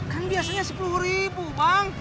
kan biasanya sepuluh ribu bang